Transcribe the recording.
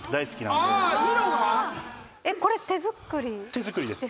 手作りです。